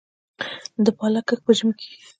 د پالک کښت په ژمي کې کیږي؟